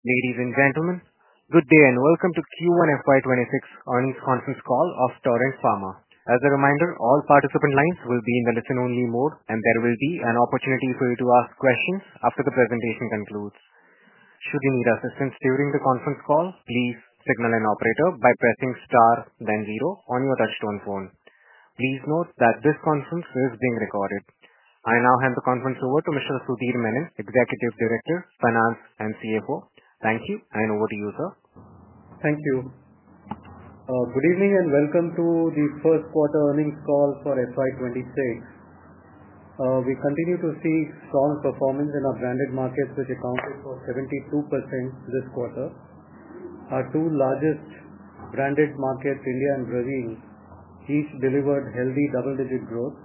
Ladies and gentlemen, good day and welcome to Q1 FY 2026 Earnings Conference Call of Torrent Pharma. As a reminder, all participant lines will be in the listen-only mode, and there will be an opportunity for you to ask questions after the presentation concludes. Should you need assistance during the conference call, please signal an operator by pressing star then zero on your touch-tone phone. Please note that this conference is being recorded. I now hand the conference over to Mr. Sudhir Menon, Executive Director, Finance and CFO. Thank you, and over to you, sir. Thank you. Good evening and welcome to the first quarter earnings call for FY 2026. We continue to see strong performance in our branded markets, which accounted for 72% this quarter. Our two largest branded markets, India and Brazil, each delivered healthy double-digit growth.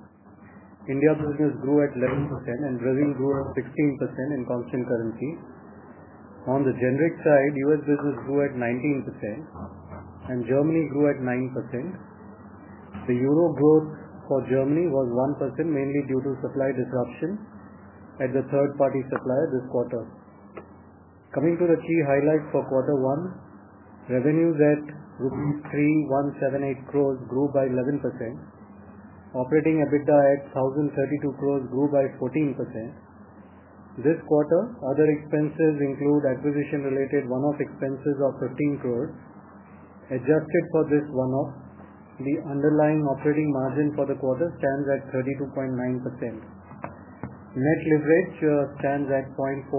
India business grew at 11%, and Brazil grew at 16% in constant currency. On the generic side, U.S. business grew at 19%. Germany grew at 9%. The euro growth for Germany was 1%, mainly due to supply disruption at the third-party supplier this quarter. Coming to the key highlights for quarter one, revenues at rupees 3,178 crore grew by 11%. Operating EBITDA at 1,032 crore grew by 14%. This quarter, other expenses include acquisition-related one-off expenses of 15 crore. Adjusted for this one-off, the underlying operating margin for the quarter stands at 32.9%. Net leverage stands at 0.45.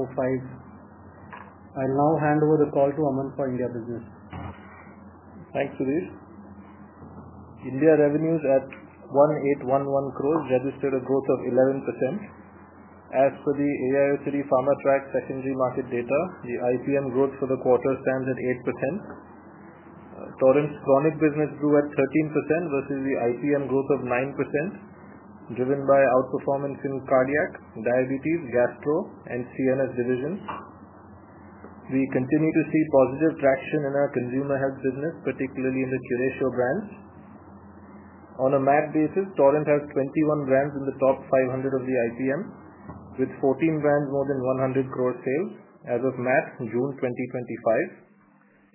I'll now hand over the call to Aman for India business. Thanks, Sudhir. India revenues at 1,811 crore registered a growth of 11%. As per the AIOCD Pharma Track secondary market data, the IPM growth for the quarter stands at 8%. Torrent's chronic business grew at 13% versus the IPM growth of 9%, driven by outperformance in cardiac, diabetes, gastro, and CNS divisions. We continue to see positive traction in our consumer health business, particularly in the Curatio brands. On a MAT basis, Torrent has 21 brands in the top 500 of the IPM, with 14 brands with more than 100 crore sales as of MAT June 2025.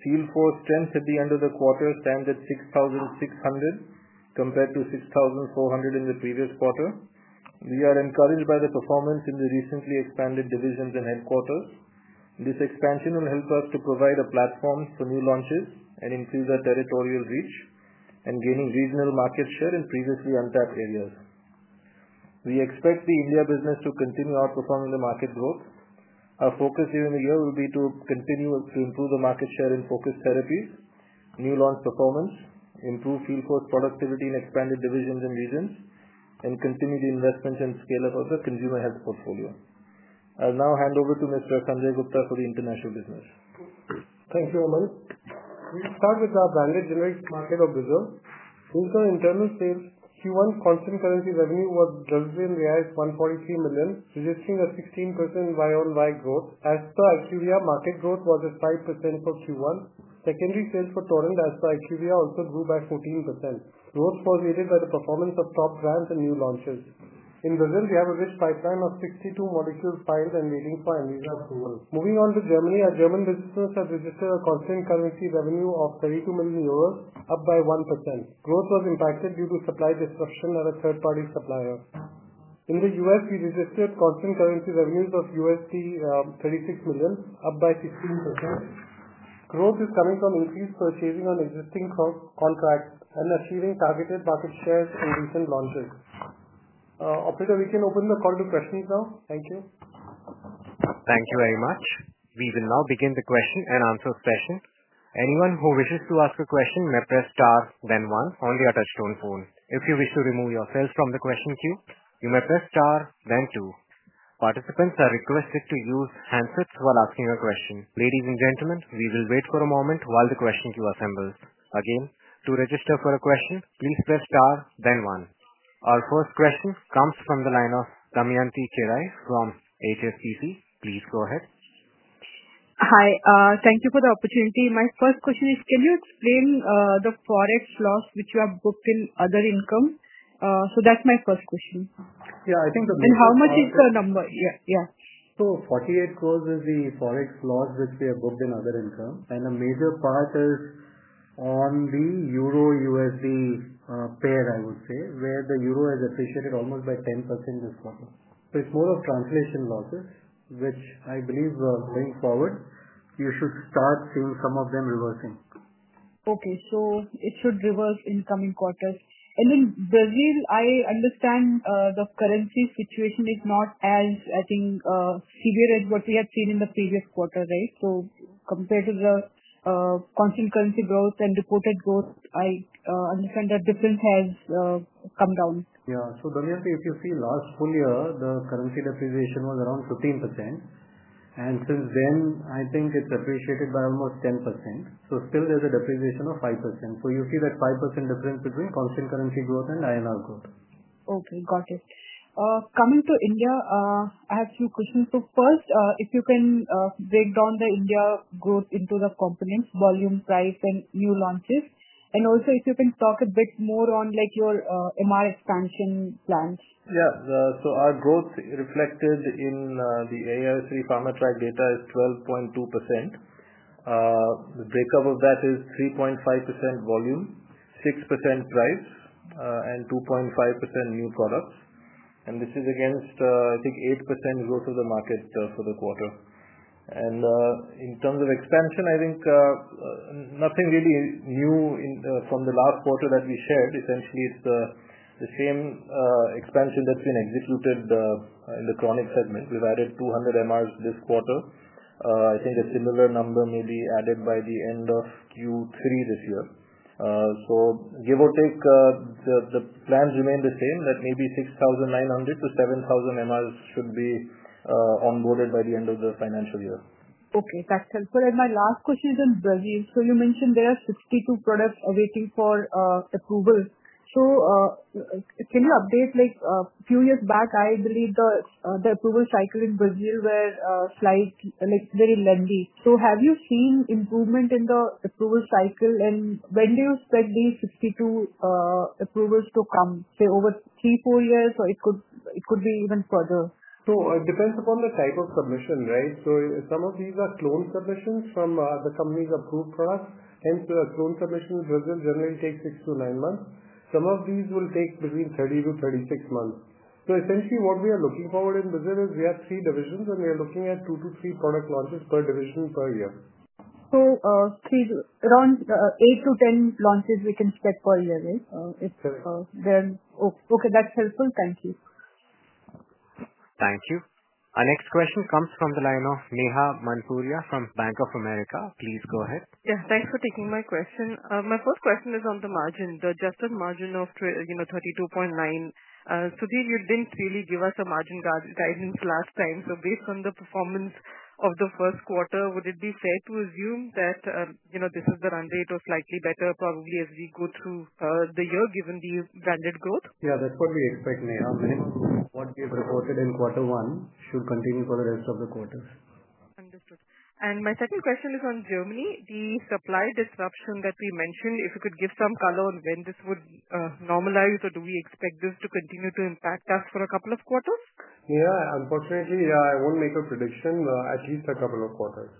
Field force strength at the end of the quarter stands at 6,600 compared to 6,400 in the previous quarter. We are encouraged by the performance in the recently expanded divisions and headquarters. This expansion will help us to provide a platform for new launches and increase our territorial reach and gain regional market share in previously untapped areas. We expect the India business to continue outperforming the market growth. Our focus during the year will be to continue to improve the market share in focused therapies, new launch performance, improve field force productivity in expanded divisions and regions, and continue the investment and scale-up of the consumer health portfolio. I'll now hand over to Mr. Sanjay Gupta for the international business. Thank you, Aman. We'll start with our branded generic market of Brazil. In terms of internal sales, Q1 constant currency revenue was 143 million, suggesting a 16% Y-on-Y growth. As per IQVIA, market growth was at 5% for Q1. Secondary sales for Torrent, as per IQVIA, also grew by 14%. Growth was aided by the performance of top brands and new launches. In Brazil, we have a rich pipeline of 62 molecules filed and waiting for end-user approval. Moving on to Germany, our German businesses have registered a constant currency revenue of 32 million euros, up by 1%. Growth was impacted due to supply disruption at a third-party supplier. In the U.S., we registered constant currency revenues of $36 million, up by 16%. Growth is coming from increased purchasing on existing contracts and achieving targeted market shares in recent launches. Operator, we can open the call to questions now. Thank you. Thank you very much. We will now begin the question-and-answer session. Anyone who wishes to ask a question may press star then one on the touch-tone phone. If you wish to remove yourself from the question queue, you may press star then two. Participants are requested to use handsets while asking a question. Ladies and gentlemen, we will wait for a moment while the question queue assembles. Again, to register for a question, please press star then one. Our first question comes from the line of Damyanti Kerai from HSBC. Please go ahead. Hi, thank you for the opportunity. My first question is, can you explain the forex loss which you have booked in other income? So that's my first question. Yeah, I think the major part. How much is the number? Yeah, yeah. 48 crore is the forex loss which we have booked in other income, and a major part is on the euro/USD pair, I would say, where the euro has appreciated almost by 10% this quarter. It is more of translation losses, which I believe going forward, you should start seeing some of them reversing. Okay, so it should reverse in coming quarters. In Brazil, I understand the currency situation is not as, I think, severe as what we had seen in the previous quarter, right? Compared to the constant currency growth and reported growth, I understand the difference has come down. Yeah, so Damyanti, if you see last full year, the currency depreciation was around 15%. And since then, I think it's appreciated by almost 10%. So still, there's a depreciation of 5%. So you see that 5% difference between constant currency growth and INR growth. Okay, got it. Coming to India, I have a few questions. First, if you can break down the India growth into the components, volume, price, and new launches. Also, if you can talk a bit more on your MR expansion plans. Yeah, so our growth reflected in the AIOCD Pharma Track data is 12.2%. The breakup of that is 3.5% volume, 6% price, and 2.5% new products. This is against, I think, 8% growth of the market for the quarter. In terms of expansion, I think nothing really new from the last quarter that we shared. Essentially, it is the same expansion that has been executed in the chronic segment. We have added 200 MRs this quarter. I think a similar number may be added by the end of Q3 this year. Give or take, the plans remain the same, that maybe 6,900 to 7,000 MRs should be onboarded by the end of the financial year. Okay, that's helpful. My last question is in Brazil. You mentioned there are 62 products awaiting approval. Can you update? A few years back, I believe the approval cycle in Brazil was very lengthy. Have you seen improvement in the approval cycle? When do you expect these 62 approvals to come, say over three, four years, or could it be even further? It depends upon the type of submission, right? Some of these are clone submissions from the company's approved products. Hence, the clone submission in Brazil generally takes six to nine months. Some of these will take between 30-36 months. Essentially, what we are looking forward in Brazil is we have three divisions, and we are looking at two to three product launches per division per year. Around 8-10 launches we can expect per year, right? Correct. Okay, that's helpful. Thank you. Thank you. Our next question comes from the line of Neha Manpuria from Bank of America. Please go ahead. Yes, thanks for taking my question. My first question is on the margin, the adjusted margin of 32.9%. Sudhir, you did not really give us a margin guidance last time. Based on the performance of the first quarter, would it be fair to assume that this is the run rate or slightly better probably as we go through the year given the branded growth? Yeah, that's what we expect, Neha. Minimum what we have reported in quarter one should continue for the rest of the quarters. Understood. My second question is on Germany. The supply disruption that we mentioned, if you could give some color on when this would normalize, or do we expect this to continue to impact us for a couple of quarters? Yeah, unfortunately, I won't make a prediction, but at least a couple of quarters.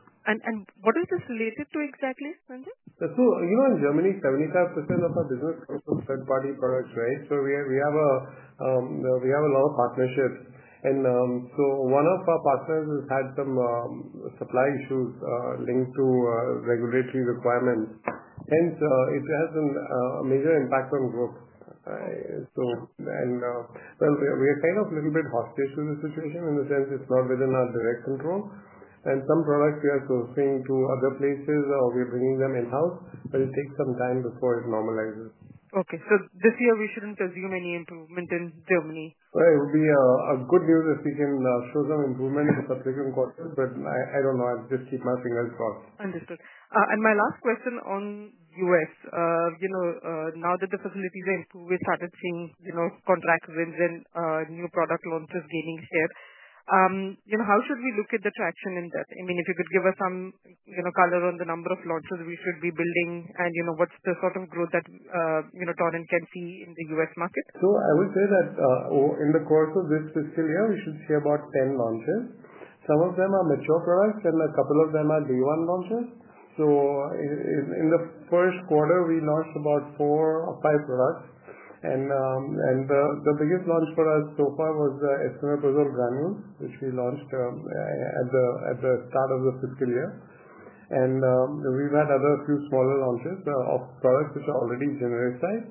What is this related to exactly, Sanjay? In Germany, 75% of our business comes from third-party products, right? We have a lot of partnerships. One of our partners has had some supply issues linked to regulatory requirements. It has a major impact on growth. We are kind of a little bit hostage to the situation in the sense it's not within our direct control. Some products we are sourcing to other places or we are bringing them in-house, but it takes some time before it normalizes. Okay, so this year we shouldn't assume any improvement in Germany? It would be good news if we can show some improvement in the subsequent quarters, but I don't know. I'll just keep my fingers crossed. Understood. My last question on U.S. Now that the facilities are improved, we started seeing contract wins and new product launches gaining share. How should we look at the traction in that? I mean, if you could give us some color on the number of launches we should be building and what's the sort of growth that Torrent can see in the U.S. market? I would say that in the course of this fiscal year, we should see about 10 launches. Some of them are mature products, and a couple of them are day-one launches. In the first quarter, we launched about four or five products. The biggest launch for us so far was the esomeprazole granules, which we launched at the start of the fiscal year. We have had a few other smaller launches of products which are already generic type.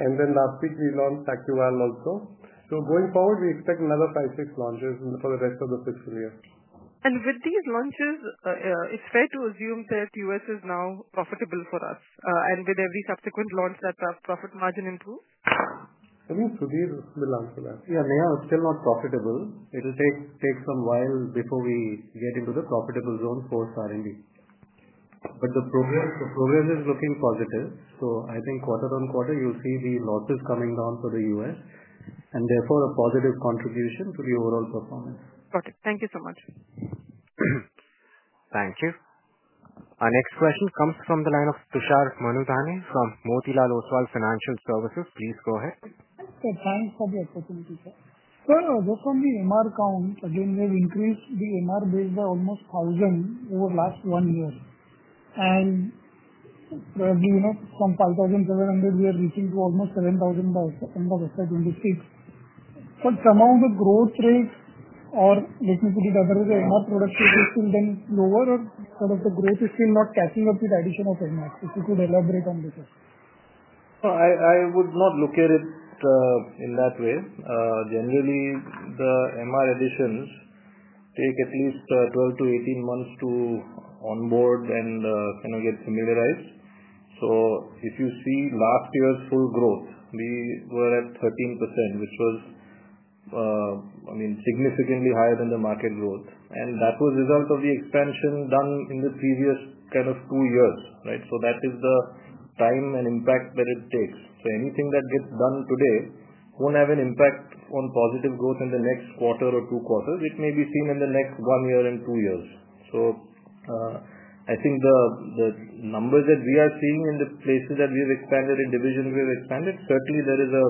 Last week, we launched Sacuval also. Going forward, we expect another five, six launches for the rest of the fiscal year. With these launches, it's fair to assume that U.S. is now profitable for us. With every subsequent launch, does our profit margin improve? I think Sudhir will answer that. Yeah, Neha, it's still not profitable. It'll take some while before we get into the profitable zone post-R&D. The progress is looking positive. I think quarter on quarter, you'll see the losses coming down for the U.S. and therefore a positive contribution to the overall performance. Got it. Thank you so much. Thank you. Our next question comes from the line of Tushar Manudhane from Motilal Oswal Financial Services. Please go ahead. Thanks for the opportunity, sir. The company MR account, again, we have increased the MR base by almost 1,000 over the last one year. From 5,700, we are reaching to almost 7,000 by end of FY 2026. Somehow the growth rate, or let me put it another way, the MR product rate is still then lower, or sort of the growth is still not catching up with the addition of MRs. If you could elaborate on this? I would not look at it in that way. Generally, the MR additions take at least 12-18 months to onboard and kind of get familiarized. If you see last year's full growth, we were at 13%, which was, I mean, significantly higher than the market growth. That was the result of the expansion done in the previous kind of two years, right? That is the time and impact that it takes. Anything that gets done today will not have an impact on positive growth in the next quarter or two quarters. It may be seen in the next one year and two years. I think the numbers that we are seeing in the places that we have expanded, in divisions we have expanded, certainly there is a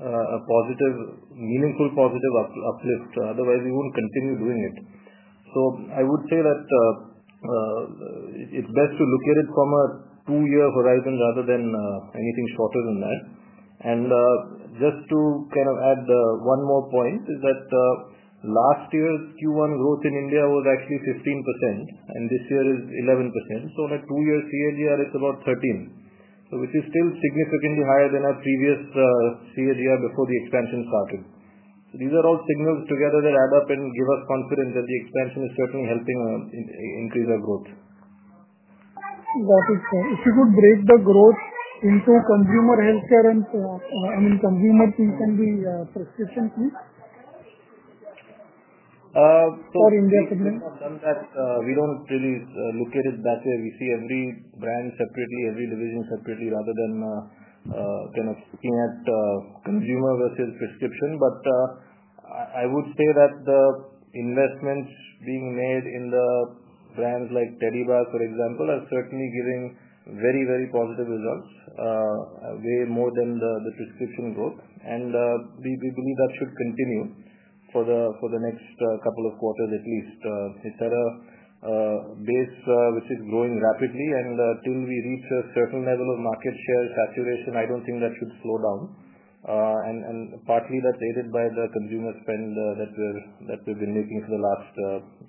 meaningful positive uplift. Otherwise, we would not continue doing it. I would say that it is best to look at it from a two-year horizon rather than anything shorter than that. Just to kind of add one more point is that last year, Q1 growth in India was actually 15%, and this year is 11%. On a two-year CAGR, it is about 13%, which is still significantly higher than our previous CAGR before the expansion started. These are all signals together that add up and give us confidence that the expansion is certainly helping increase our growth. That is correct. If you could break the growth into consumer healthcare and, I mean, consumer things can be prescription things? For India segment. We do not really look at it that way. We see every brand separately, every division separately, rather than kind of looking at consumer versus prescription. I would say that the investments being made in the brands like Tedibar, for example, are certainly giving very, very positive results, way more than the prescription growth. We believe that should continue for the next couple of quarters at least. It is at a base which is growing rapidly. Til we reach a certain level of market share saturation, I do not think that should slow down. Partly that is aided by the consumer spend that we have been making for the last,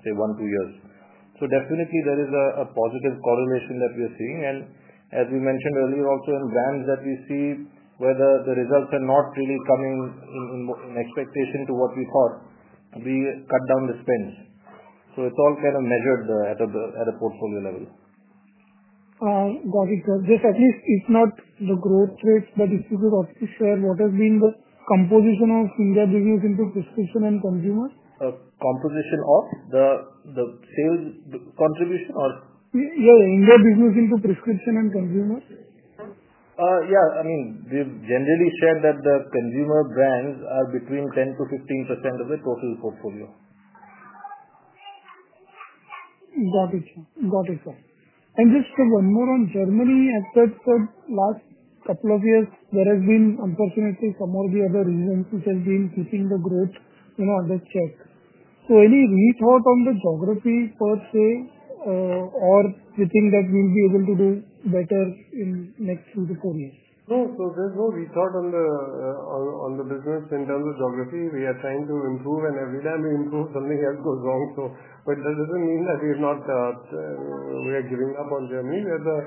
say, one, two years. Definitely, there is a positive correlation that we are seeing. As we mentioned earlier, also in brands that we see where the results are not really coming in expectation to what we thought, we cut down the spends. It is all kind of measured at a portfolio level. Got it. So at least it's not the growth rates, but if you could also share what has been the composition of India business into prescription and consumer? Composition of the sales contribution or? Yeah, India business into prescription and consumer. Yeah, I mean, we've generally shared that the consumer brands are between 10%-15% of the total portfolio. Got it, sir. Got it, sir. Just one more on Germany. I said the last couple of years, there has been, unfortunately, some of the other reasons which has been keeping the growth under check. Any rethought on the geography per se? You think that we'll be able to do better in the next three to four years? No, so there's no rethought on the business in terms of geography. We are trying to improve, and every time we improve, something else goes wrong. That does not mean that we are giving up on Germany. We are the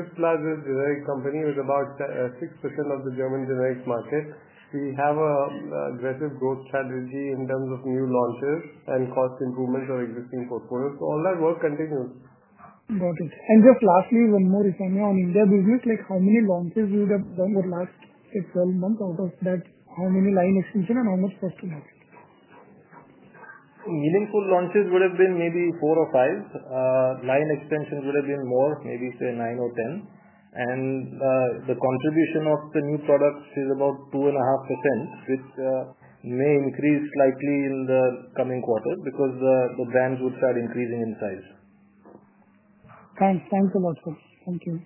fifth-largest generic company with about 6% of the German generic market. We have an aggressive growth strategy in terms of new launches and cost improvements of existing portfolio. All that work continues. Got it. Just lastly, one more, if I may, on India business, how many launches would have done over the last six, seven months out of that? How many line extensions and how much customers? Meaningful launches would have been maybe four or five. Line extensions would have been more, maybe say nine or ten. The contribution of the new products is about 2.5%, which may increase slightly in the coming quarters because the brands would start increasing in size. Thanks. Thanks a lot, sir. Thank you.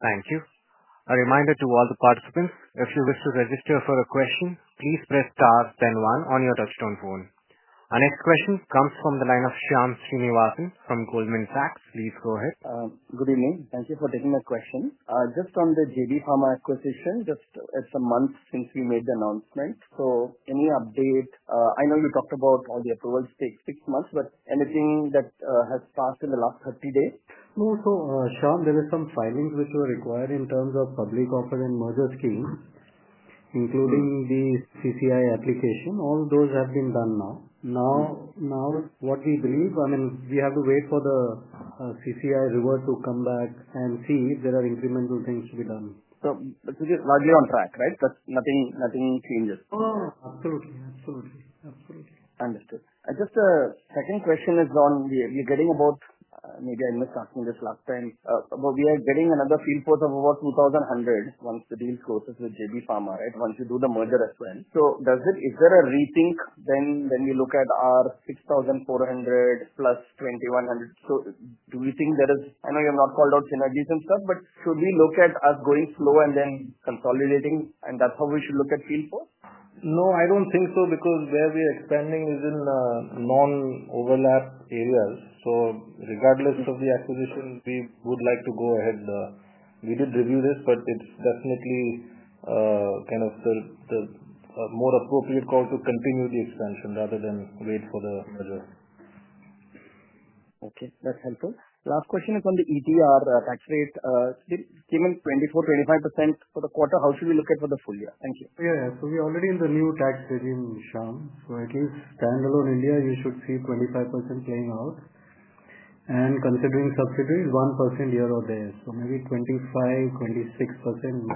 Thank you. A reminder to all the participants, if you wish to register for a question, please press star then one on your touch-tone phone. Our next question comes from the line of Shyam Srinivasan from Goldman Sachs. Please go ahead. Good evening. Thank you for taking my question. Just on the JB Pharma acquisition, it's a month since we made the announcement. So any update? I know you talked about all the approvals take six months, but anything that has passed in the last 30 days? No, so Shyam, there are some filings which were required in terms of public offer and merger scheme. Including the CCI application. All those have been done now. Now, what we believe, I mean, we have to wait for the CCI reward to come back and see if there are incremental things to be done. This is largely on track, right? Nothing changes? Absolutely. Understood. Just a second question is on, we are getting about, maybe I missed asking this last time, but we are getting another field force of about 2,100 once the deal closes with JB Pharma, right? Once you do the merger as well. Is there a rethink when we look at our 6,400 plus 2,100? Do we think there is, I know you have not called out synergies and stuff, but should we look at us going slow and then consolidating, and that is how we should look at field force? No, I don't think so because where we are expanding is in non-overlap areas. So regardless of the acquisition, we would like to go ahead. We did review this, but it's definitely kind of the more appropriate call to continue the expansion rather than wait for the merger. Okay, that's helpful. Last question is on the ETR tax rate. It came in 24%, 25% for the quarter. How should we look at for the full year? Thank you. Yeah, yeah. We are already in the new tax regime, Shyam. At least standalone India, you should see 25% playing out. Considering subsidiaries, 1% year-over-year. Maybe 25%, 26%.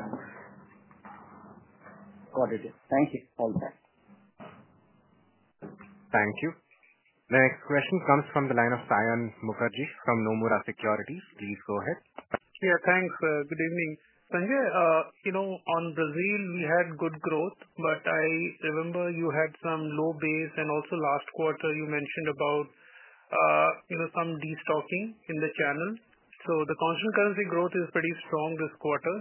Got it. Thank you. All done. Thank you. The next question comes from the line of Saion Mukherjee from Nomura Securities. Please go ahead. Yeah, thanks. Good evening. Sanjay, on Brazil, we had good growth, but I remember you had some low base, and also last quarter, you mentioned about some destocking in the channel. So the constant currency growth is pretty strong this quarter,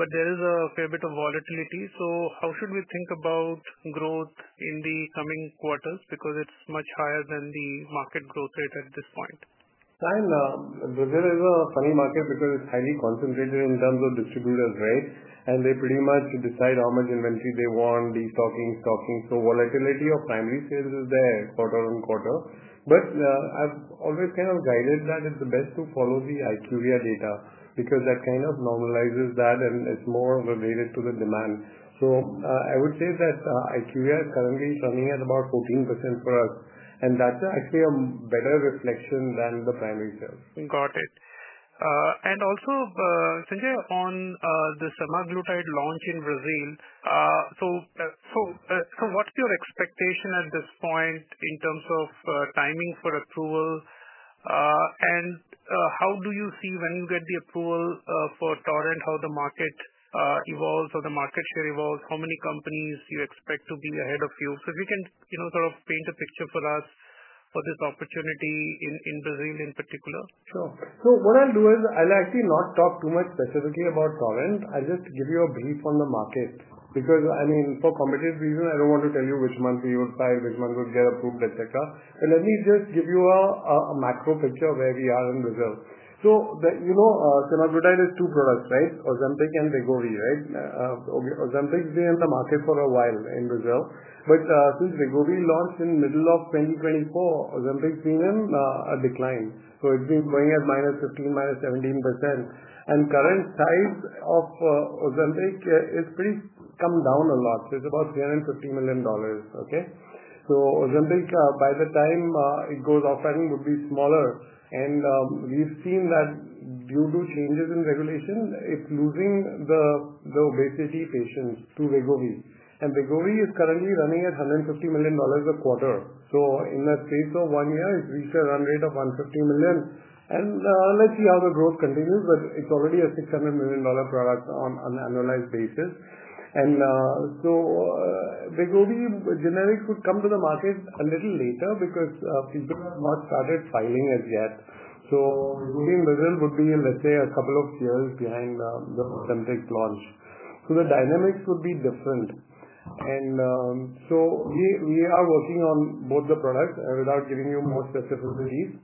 but there is a fair bit of volatility. How should we think about growth in the coming quarters because it's much higher than the market growth rate at this point? Brazil is a funny market because it is highly concentrated in terms of distributors, right? They pretty much decide how much inventory they want, destocking, stocking. Volatility of primary sales is there quarter on quarter. I have always kind of guided that it is best to follow the IQVIA data because that kind of normalizes that, and it is more related to the demand. I would say that IQVIA is currently running at about 14% for us. That is actually a better reflection than the primary sales. Got it. Also, Sanjay, on the semaglutide launch in Brazil, what's your expectation at this point in terms of timing for approval? How do you see when you get the approval for Torrent, how the market evolves or the market share evolves, how many companies you expect to be ahead of you? If you can sort of paint a picture for us for this opportunity in Brazil in particular? Sure. What I'll do is I'll actually not talk too much specifically about Torrent. I'll just give you a brief on the market. Because, I mean, for competitive reasons, I don't want to tell you which month we would buy, which month would get approved, etc. Let me just give you a macro picture where we are in Brazil. Semaglutide is two products, right? Ozempic and Wegovy, right? Ozempic's been in the market for a while in Brazil. Since Wegovy launched in the middle of 2024, Ozempic's been in a decline. It's been going at -15%, -17%. The current size of Ozempic has pretty much come down a lot. It's about $350 million, okay? Ozempic, by the time it goes off-patent, would be smaller. We've seen that due to changes in regulation, it's losing the obesity patients to Wegovy. Wegovy is currently running at $150 million a quarter. In the space of one year, it's reached a run rate of $150 million. Let's see how the growth continues, but it's already a $600 million product on an annualized basis. Wegovy generics would come to the market a little later because people have not started filing as yet. Wegovy in Brazil would be, let's say, a couple of years behind the Ozempic launch. The dynamics would be different. We are working on both the products without giving you more specificities.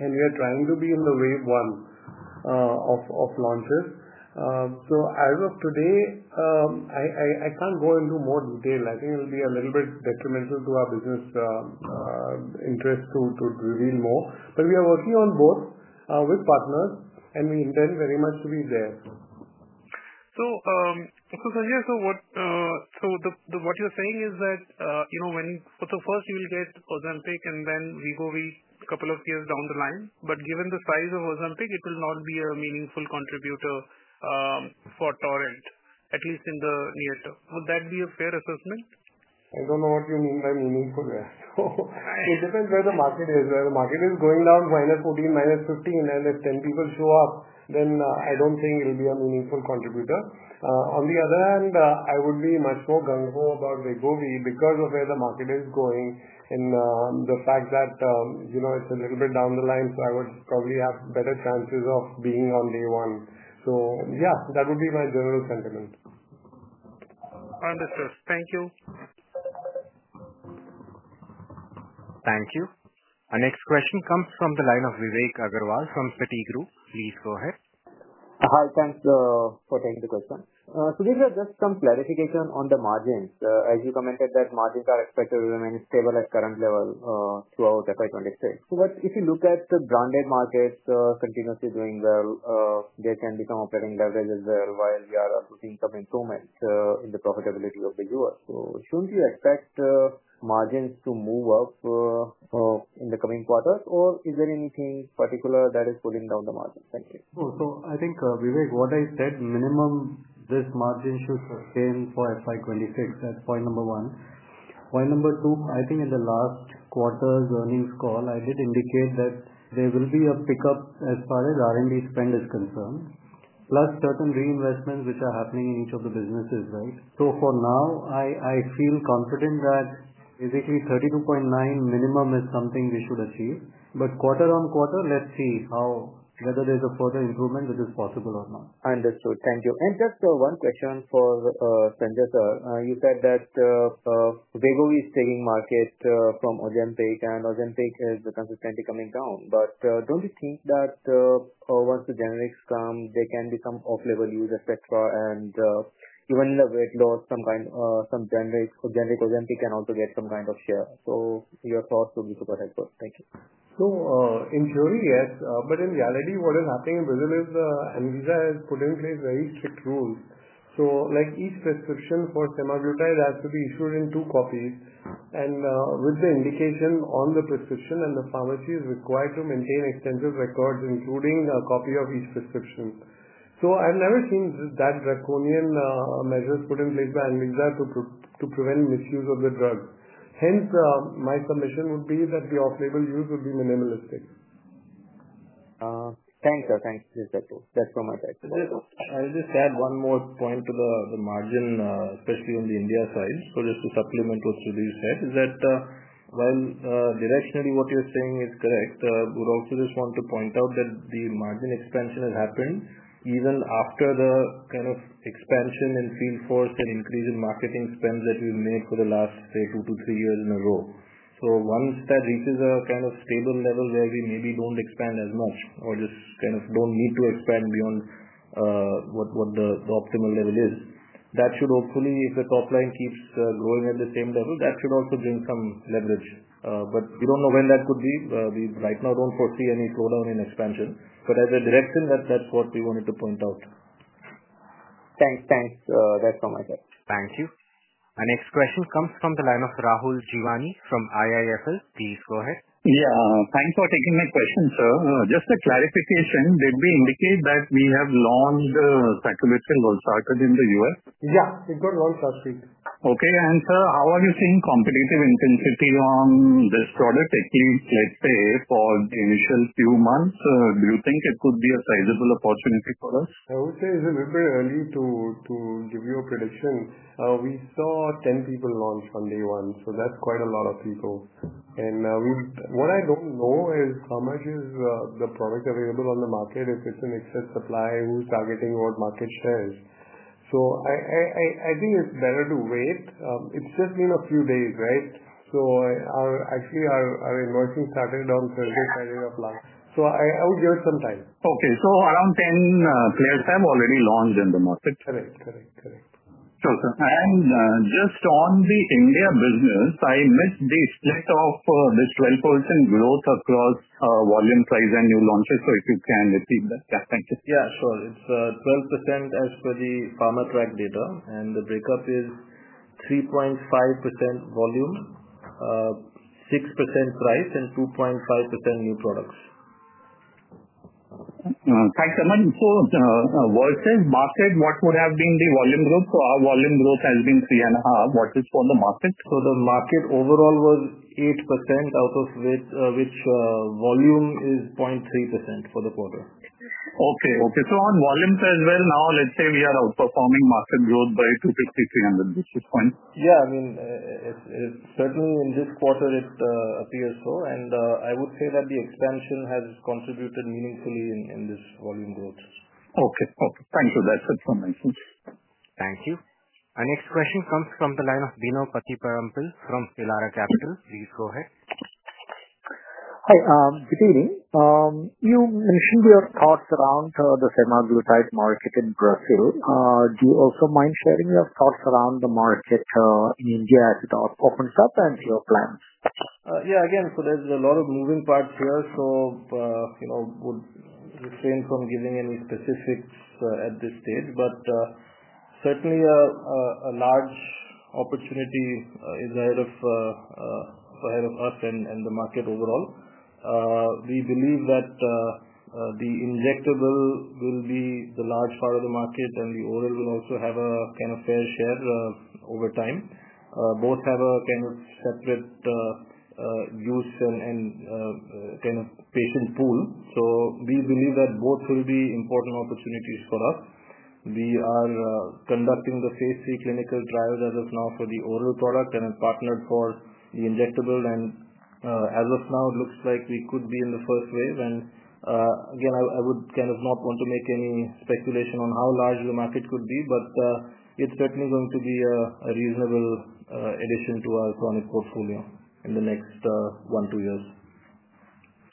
We are trying to be in the wave one of launches. As of today, I can't go into more detail. I think it'll be a little bit detrimental to our business interest to reveal more. We are working on both with partners, and we intend very much to be there. Sanjay, what you're saying is that first you will get Ozempic and then Wegovy a couple of years down the line? Given the size of Ozempic, it will not be a meaningful contributor for Torrent, at least in the near term. Would that be a fair assessment? I don't know what you mean by meaningful, right? It depends where the market is. Where the market is going down, -14, -15, and if 10 people show up, then I don't think it'll be a meaningful contributor. On the other hand, I would be much more gung-ho about Wegovy because of where the market is going and the fact that it's a little bit down the line, so I would probably have better chances of being on day one. Yeah, that would be my general sentiment. Understood. Thank you. Thank you. Our next question comes from the line of Vivek Agrawal from Citigroup. Please go ahead. Hi, thanks for taking the question. These are just some clarifications on the margins. As you commented that margins are expected to remain stable at current level throughout FY 2023. If you look at the branded markets continuously doing well, there can be some operating leverage as well while we are also seeing some improvements in the profitability of the U.S. Shouldn't you expect margins to move up in the coming quarters? Is there anything particular that is pulling down the margins? Thank you. I think, Vivek, what I said, minimum this margin should sustain for FY 2026. That's point number one. Point number two, I think in the last quarter's earnings call, I did indicate that there will be a pickup as far as R&D spend is concerned, plus certain reinvestments which are happening in each of the businesses, right? For now, I feel confident that basically 32.9% minimum is something we should achieve. Quarter on quarter, let's see whether there's a further improvement, which is possible or not. Understood. Thank you. Just one question for Sanjay, sir. You said that Wegovy is taking market from Ozempic, and Ozempic is consistently coming down. Do not you think that once the generics come, there can be some off-label use, etc., and even in the weight loss, some generic Ozempic can also get some kind of share? Your thoughts would be super helpful. Thank you. In theory, yes. In reality, what is happening in Brazil is that Anvisa has put in place very strict rules. Each prescription for semaglutide has to be issued in two copies, and with the indication on the prescription, the pharmacy is required to maintain extensive records, including a copy of each prescription. I've never seen that draconian measures put in place by Anvisa to prevent misuse of the drug. Hence, my submission would be that the off-label use would be minimalistic. Thanks, sir. Thanks. That's all my side. I'll just add one more point to the margin, especially on the India side. Just to supplement what Sudhir said, is that while directionally what you're saying is correct, I would also just want to point out that the margin expansion has happened even after the kind of expansion in field force and increase in marketing spend that we've made for the last, say, two to three years in a row. Once that reaches a kind of stable level where we maybe don't expand as much or just kind of don't need to expand beyond what the optimal level is, that should hopefully, if the top line keeps growing at the same level, that should also bring some leverage. We don't know when that could be. We right now don't foresee any slowdown in expansion. As a direction, that's what we wanted to point out. Thanks. Thanks. That's all my side. Thank you. Our next question comes from the line of Rahul Jeewani from IIFL. Please go ahead. Yeah. Thanks for taking my question, sir. Just a clarification. Did we indicate that we have launched sacubitril, was started in the U.S.? Yeah. It got launched last week. Okay. Sir, how are you seeing competitive intensity on this product? At least, let's say, for the initial few months, do you think it could be a sizable opportunity for us? I would say it's a little bit early to give you a prediction. We saw 10 people launch on day one. That's quite a lot of people. What I don't know is how much is the product available on the market, if it's in excess supply, who's targeting what market shares. I think it's better to wait. It's just been a few days, right? Actually, our invoicing started on Thursday, Friday of last. I would give it some time. Okay. So around 10 players have already launched in the market? Correct. Correct. Sure, sir. Just on the India business, I missed the split of this 12% growth across volume, price, and new launches. If you can repeat that, yeah, thank you. Yeah, sure. It's 12% as per the Pharma Track data. The breakup is 3.5% volume, 6% price, and 2.5% new products. Thanks, sir. Versus market, what would have been the volume growth? Our volume growth has been 3.5%. What is for the market? The market overall was 8% out of which volume is 0.3% for the quarter. Okay. Okay. So on volumes as well, now, let's say we are outperforming market growth by 250-300 basis points? Yeah. I mean, certainly in this quarter, it appears so. I would say that the expansion has contributed meaningfully in this volume growth. Okay. Okay. Thanks. So that's it from my side. Thank you. Our next question comes from the line of Bino Pathiparampil from Elara Capital. Please go ahead. Hi. Good evening. You mentioned your thoughts around the semaglutide market in Brazil. Do you also mind sharing your thoughts around the market in India as it opens up and your plans? Yeah. Again, there is a lot of moving parts here. I would refrain from giving any specifics at this stage. Certainly, a large opportunity is ahead of us and the market overall. We believe that the injectable will be the large part of the market, and the oral will also have a kind of fair share over time. Both have a kind of separate use and kind of patient pool. We believe that both will be important opportunities for us. We are conducting the phase III clinical trials as of now for the oral product and have partnered for the injectable. As of now, it looks like we could be in the first wave. I would not want to make any speculation on how large the market could be, but it is certainly going to be a reasonable addition to our chronic portfolio in the next one, two years.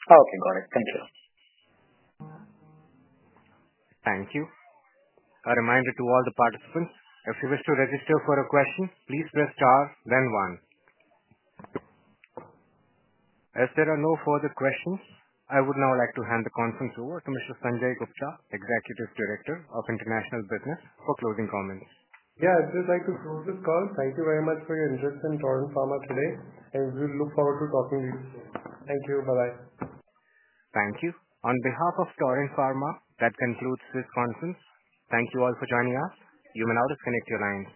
Okay. Got it. Thank you. Thank you. A reminder to all the participants, if you wish to register for a question, please press star, then one. As there are no further questions, I would now like to hand the conference over to Mr. Sanjay Gupta, Executive Director of International Business, for closing comments. Yeah. I'd just like to close this call. Thank you very much for your interest in Torrent Pharma today. We look forward to talking with you soon. Thank you. Bye-bye. Thank you. On behalf of Torrent Pharma, that concludes this conference. Thank you all for joining us. You may now disconnect your lines.